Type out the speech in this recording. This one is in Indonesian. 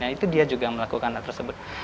itu dia juga melakukan hal tersebut